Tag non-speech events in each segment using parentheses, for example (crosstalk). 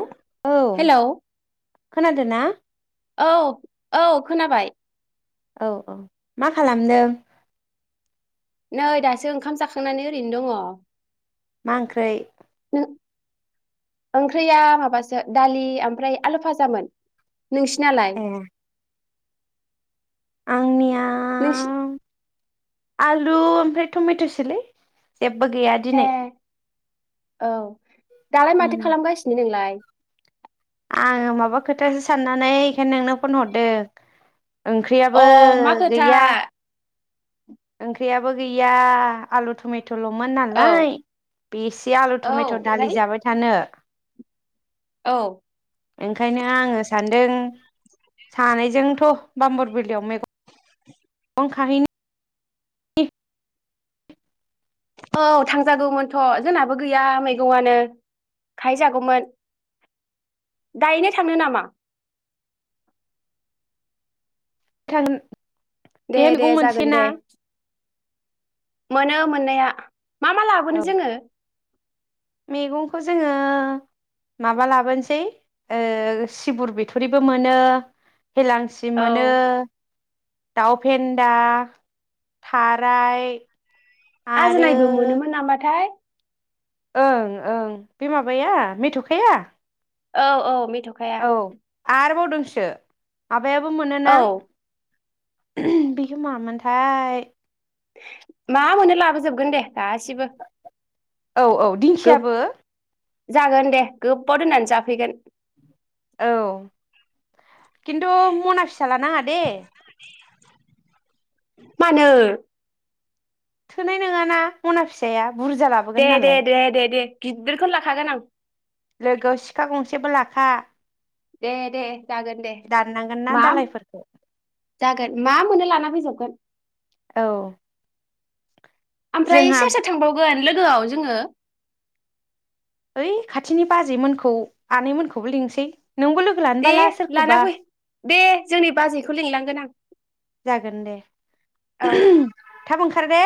औ हेलौ खोनादों ना औ। औ खोनाबाय। औ औ मा खालामदों? नै दासो ओंखाम जाखांनानै ओरैनो दङ'। मा ओंख्रै? ओंख्रैया माबासो दालि ओमफ्राय आलु भाजामोन। नोंसिनालाय? ए आंनिया नोंसि आलु ओमफ्राय टमेट'सोलै। जेबो गैया ए दिनै। औ। दालाय माथो खालामगासिनो नोंलाय? आं माबा खोथासो साननानै बेखायनो नोंनो फन हरदों। अ ओंख्रियाबो मा खोथा गैया। ओंख्रियाबो गैया आलु टमेट'। टमेटल'मोन औ नालाय बेसे आलु औ टमेट' दालि ओमफ्राय जाबाय थानो। औ ओंखायनो आङो। सान्दों सानैजोंथ' बाम्बरबिलयाव मैगं मैगं खाहैनो (inaudible) औ थांजागौमोनथ' जोंनाबो गैया मैगंनो खाहैजागौमोन। दायनो थांनो नामा। थां दे बेहाय दे मैगं जागोन दे मोनसैयोना। मोनो मोननाया मा मा औ लाबोनो जोङो मैगंखौ जोङो माबा लाबोनोसै ओ सिबुर बिथुरिबो मोनो हेलांसि औ मोनो दाउफेन्दा थाराय आरो आजनायबो मोनोमोन नामाथाय ओं ओं बे माबाया मैथ'खाया औ औ बे औ आरोबाव सो (unintelligible) माबायाबो औ मोनोना उम बिहोमामोनथाय मा मोनो लाबोजोबगोन दे गासिबो औ औ गोब दिंखियाबो जागोन दे गोबबाव दोननानै जाफैगोन औ खिन्थु मना फिसालानाङा दे मानो थोनाय नोङाना मना फिसाया बुरजा लाबोगोन दे दे नालाय दे दे दे गिदिरखौनो लाखागोन आं लोगोआव सिखा गंसेबो लाखा दे दे जागोन दे दाननांगोन ना मा दालायफोरखौ जागोन मा मोननो लाना फैसै जगोन औ जोंहा ओमफ्रायसोर सोर थांबावगोन लोगो गोदोआव जोङो ओइ खाथिनि बाजैमोनखौ आनैमोनखौबो लिंसै नोंबो लोगो लानोबा दे ला लाना सोरखौबा फै दे जोंनि बाजैखौ लिंलांगोन आं जागोन दे औ उम थाब थारदे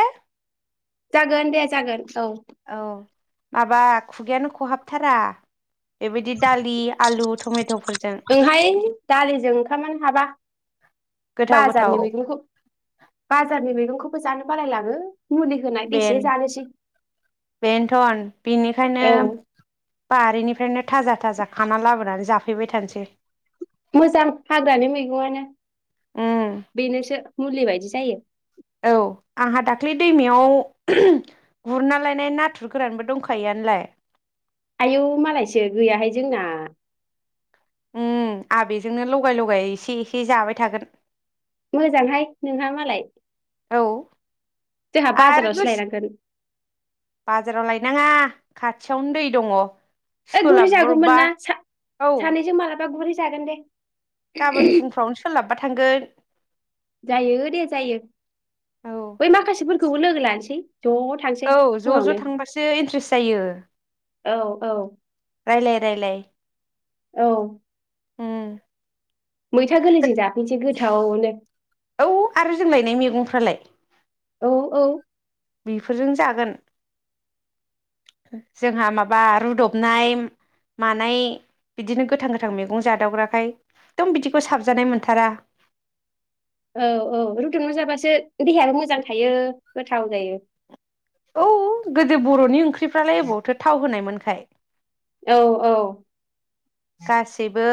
जागोन दे जागोन औ औ माबा खुगायानो खहाबथारा बेबायदि दालि आलु टमेट' ओंहाय दालिजों ओंखामानो हाबा गोथाव गोथाव बाजारनि मैगंखौ बाजारनि मैगंखौबो जानो बालाय लांङो बेन बेन्थन बेनिखायनो औ बारिनिफ्रायनो थाजा थाजा खाना लाबोनानै जाफै फैबाय थानोसै मोजां हाग्रानि मैगङानो उम बेनोसो मुलि बायदि जायो औ आंहा दाख्लै दैमायाव गुरना लायनाय नाथुर गोरानबो दंखायो आनोलाय आयौ मालायसो गैयाहाय जोंना उ आहा बेजोंनो लगाय लगाय एसे एसे जाबाय थागोन मोजांहाय नोंहा मालाय औ जोंहा आरो बाजारावसो गो (unintelligible) लायनांगोन बाजाराव लाय नाङा खाथियावनो दै दङ ओइ गुरहै सोलाबब्रबबा जागौमोन ना औ सानैजों मालाबा गुरहै जागोन दे गाबोन फुंफ्रावनो सोलाबबा थांगोन जायो दे जायो औ बै माखासेफोरखौबो लोगो ला नोसै औ ज' ज' थांबासो इन्ट्रेस्ट जायो औ औ रायलाय रायलाय औ ओं मैथा गोरलैजों जाफैनोसै गोथावनो औ आरो जों लायनाय मैगंफ्रालाय औ औ बेफोरजों जागोन जोंहा माबा रुदबनाय मानाय बिदिनो गोथां गोथां मैगं जादावग्राखाय एखदम बिदिखौ साबजानाय मोनथारा औ औ रुदुबना जाबासो देहायाबो मोजां थायो गोथाव जायो औ गोदो बर'नि ओंख्रिफ्रालाय ओबावथो थाव होनायमोनखाय औ औ। गासैबो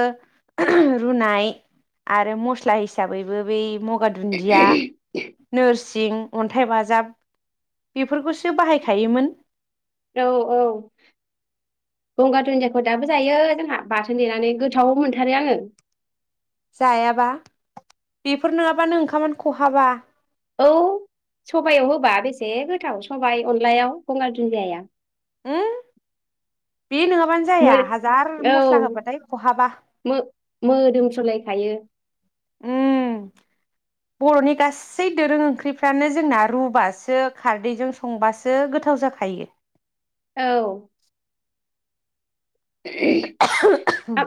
रुनाय आरो मस्ला हिसाबैबो बै म गंगार दुन्दिया, नोर सिं, अन्थाइ बाजाब बेफोरखौसो बाहायखायोमोन। औ औ गंगार दुन्दियाखौ दाबो जायो जोंहा बाथोन देनानै गोथाव मोनथारो आङो। जायाबा बेफोर नङाबानो ओंखामानो खहाबा। औ सबाइयाव होबा बेसे गोथाव सबाइ अनलायाव गंगार दुन्दियाया। उम बे नङाबानो जाया हाजार औ मस्ला होबाथाय खहाबा मोदोमफ्रुलायखायो। उम बर'नि गासै दोरों ओंख्रिफ्रानो जोंना रुबासो खारदैजों संबासो गोथाव जाखायो। औ। आ-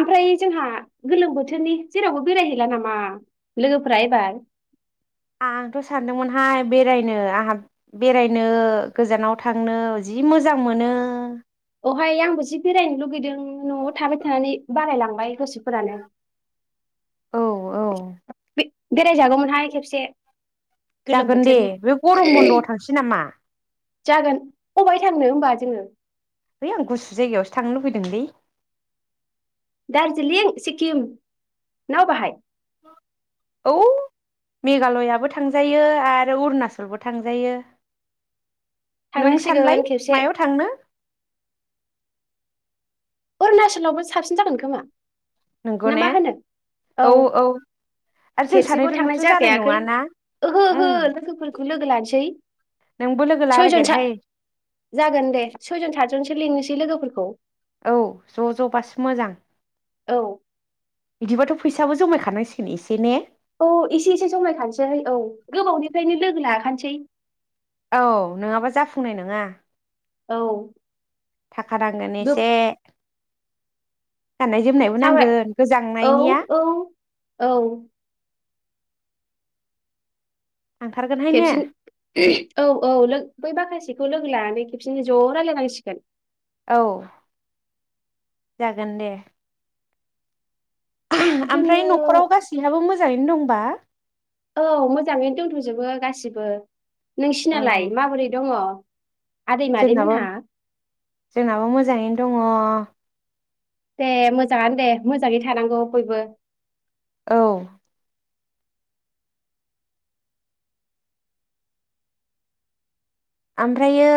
ओमफ्राय जोंहा गोलोम बोथोरनि जेरावबो बेरायहैला नामा लोगोफोरा एबार। आंथ' सानदोंमोनहाय बेरायनो आंहा बेरायनो गोजानाव थांनो जि मोजां मोनो। औहाय आंबो जि बेरायनो लुगैदों न'आव थाबाय थानानै बालायलाङो बाय गोसोफोरानो औ औ बेराय जागौमोनहाय खेबसे गोलोम जागोन दे बोथोरनि बे गरम बन्द'आव थांसै नामा जागोन अबाय थांनो होमबा जोङो? है आं गुसु जायगायावसो थांनो लुबैदोंलै दार्जिलिं सिक्किम ना बाहाय औ मेघालयाबो थांजायो आरो अरुनाचलबो थांजायो नों सानलाय थांनांसिगोन खेबसे मायाव थांनो अरुणाचलावबो साबसिन जागोन खोमा नंगौ ना ने मा होनो औ आरो जों खेबसेबाव थांनाय सानैजोंथ' जानाय जाखायाखै नङाना ओहो उम ओहो लोगोफोरखौ लोगो लानोसै नोंबो लोगो सयजन लागिरहाय स जागोन दे सयजन सातजनसो लिंनोसै लोगोफोरखौ औ ज' ज'बासो मोजां। औ बिदिबाथ' फैसाबो जमायखानांसिगोन एसे ने औ एसे एसे जमायखानोसै औ गोबावनिफ्रायनो लोगो लाखानोसै औ नङाबा जाफुंनाय नङा औ थाखा नांगोन गोब एसे। गाननाय-जोमनायबो सावराय नांगोन औ गोजांनायनिया औ औ थांथारगोनहाय ने खेबसेन औ औ लोगो बै माखासेखौ लोगो लानानै खेबसेनो ज' रायज्लायनांसिगोन औ जागोन दे। ओमफ्राय जोंनो न'खराव गासैहाबो मोजाङै बेनो दंबा? औ मोजाङैनो दोनथ'जोबो गासिबो। नोंसिनालाय माबोरै दङ? आदै जोंनाब मादैमोनहा जोंनाबो मोजाङैनो दङ दे मोजाङानो दे मोजाङै थानांगौ बयबो औ ओमफ्रायो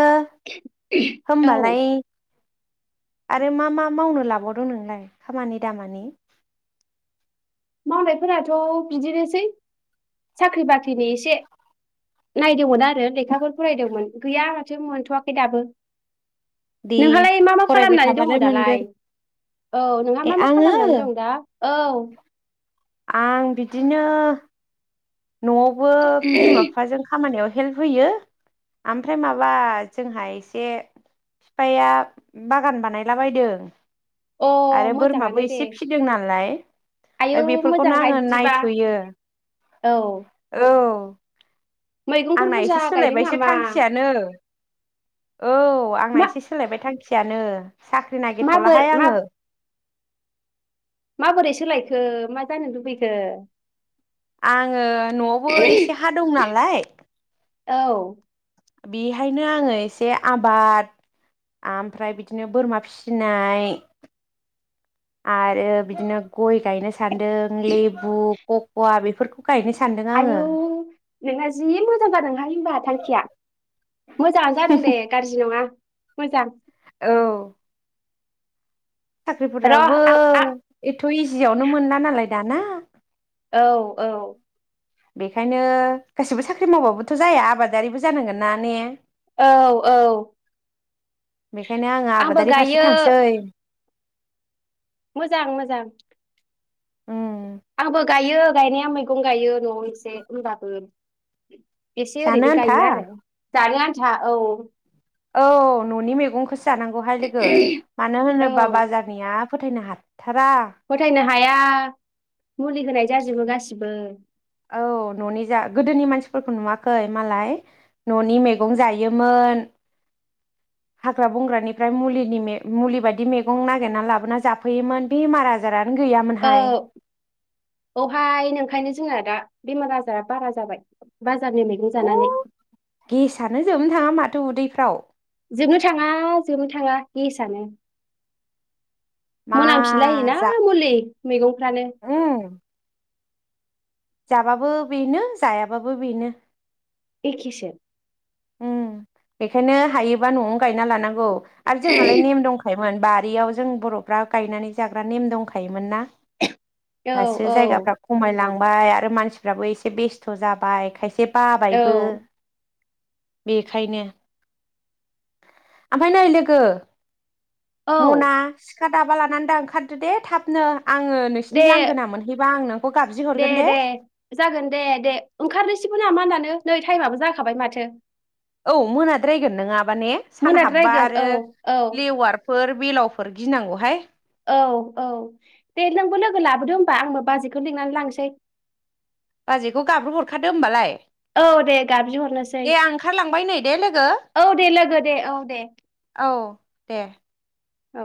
औ हबालाय आरो मा मा मावनो लाबावदों नोंलाय खामानि दामानि मावनायफोराथ' बिदिनोसै साख्रि बाख्रिनि एसे नायदोंमोन आरो लेखाफोर फरायदोंमोन गैया माथो मोनथ'वाखै दाबो दे नोंहालाय मा मा फरायबाय खालामनानै दङ थाबालाय दालाय मोनगोन औ नोंहा ए मा मा आङो खालामनानै दं दा औ आं बिदिनो नआवबो बिमा बिफाजों खामानियाव हेल्प होयो आमफ्राय माबा जोंहा एसे फिफाया बागान बानायला बायदों अ आरो बोरमाबो एसे फिदों नालाय ओमफ्राय आयु बेफोरखौनो मोजांहाय आङो बिदिबा नायथ'यो औ औ औ मैगंफोर आंना बुरजा एसे गायदों सोलायबायसो नामा थांखियानो औ आंना मा एसे सोलायबाय थांखिया थियानो साख्रि माबोर नागिरथलाहाय मा आङो। माबोरै सोलायखो मा जानो लुबैखो? आङो नआवबो एसे हा दं नालाय औ बेहायनो आङो एसे आबाद आमफ्राय बिदिनो बोरमा फिसिनाय आरो बिदिनो गय गायनोसै सान्दों लेबुक ककवा बेफोरखौ गायनो सानदों आङो आयौ नोंहा जि मो (unintelligible) बाहाय होनबा थांखिया मोजाङानो जादों दे गारजि नङा मोजां औ र' साख्रिफोराबबो आं आ एथ इजियावनो मोनला नालाय । दाना औ औ । बेखायनो गासिबो साख्रि मावबाबोथ‌ जाया आबादारिबो जानांगोन ना ने औ औ बेखायनो आङो आंबो आबादारि फारसे गायो थांसै । मोजां मोजां । उम गायो गायनाया मैगं गायो न'आव एसे होमबाबो । एसे जानो ओरैनो आन्था गायो आरो जानो आनथा । जा औ औ न'नि मेगंखौसो जानांगौहाय लोगो मानो होनोबा औ बाजारनिया फोथायनो हा थारा फोथायनो हाया मुलि होनाय जाजोबो गासिबो औ न'नि जा गोदोनि मानसिफोरखौ नुवाखै मालाय न'नि मेगं जायोमोन हाग्रा बंग्रानिफ्राय मुलिनि मे मुलि बायदि मेगं नागिरना लाबोना जाफैयोमोन बेमार आजारानो औ गैयामोनहाय औहाय नोंखायनो । जोंहा दा बेमार आजारा बारा जाबाय । अ गेसानो जोबनो थाङा माथ थो उदैफ्राव जोबनो थाङा जोबनो थाङा गेसानो । मा मोनामफिनलायोना जा मुलि मैगंफ्रानो उम जाबाबो बेनो जायाबाबो बेनो । एखेसो उम्म बेखायनो हायोबा न'आवनो गायना लानांगौ । आरो जोंहालाय नेम दंखायोमोन बा बारियाव जों बरफ्रा गायनानै जाग्रा नेम दंखायोमोन ना औ । दासो औ जायगाफ्रा खमायलां बाय आरो मानसिफ्राबो एसे बेस्थ जाबाय खायसे औ बाबायबो बेखायनो ओमफाय नै लोगो औ मना सिखा दाबा लानानै दा ओंखारदो दे थाबनो । दे गाबज्रि दे हरगोन दे जागोन दे दे ओंखारनोसैबो नामा दान नों नै टाइम माबो जाखाबाय माथो । औ मोनाद्रायगोन नोङाबा ने सान हाबबा मोनाद्रायगोन आरो औ औ लेवार फोर बेलावफोर गिनांगौहाय । औ औ दे नोंबो लोगो लाबोदो होमबा आंबो बाजैखौ लिंनान लांसै । बाजैखौ गाब्र हरखादो होमबालाय औ दे गाबज्रिहरनोसै दे आं ओंखारलांबाय नै दे लोगो औ दे लोगो दे औ दे औ दे औ